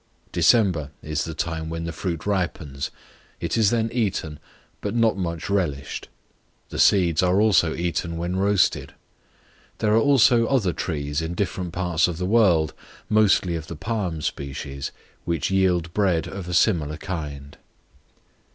December is the time when the fruit ripens; it is then eaten, but not much relished; the seeds are also eaten when roasted. There are also other trees in different parts of the world, mostly of the palm species, which yield bread of a similar kind.